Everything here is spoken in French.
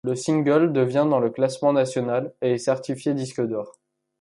Le single devient dans le classement national et est certifié disque d'or.